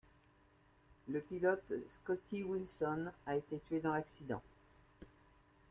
Le pilote, Scotty Wilson, a été tué dans l'accident.